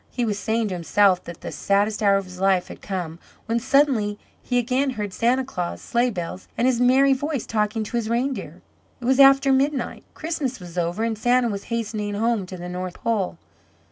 He was saying to himself that the saddest hour of his life had come, when suddenly he again heard Santa Claus' sleigh bells and his merry voice talking to his reindeer. It was after midnight, Christmas was over, and Santa was hastening home to the North Pole.